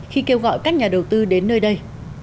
khi kêu gọi các nhà đầu tư đến nơi đây